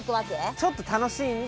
ちょっと楽しいんで△┐